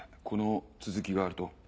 この続きがあると？